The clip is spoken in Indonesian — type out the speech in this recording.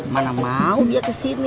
mana mau dia kesini